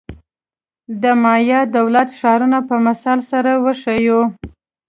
د مایا دولت-ښارونو په مثال سره وښیو.